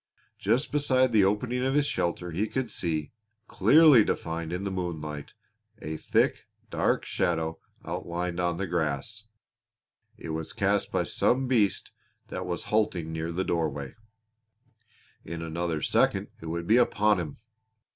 Just beside the opening of his shelter he could see, clearly defined in the moonlight, a thick, dark shadow outlined on the grass. It was cast by some beast that was halting near the doorway. In another second it would be upon him.